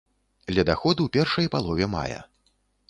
Ледаход у першай палове мая.